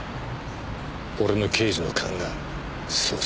俺の刑事の勘がそう叫んでる。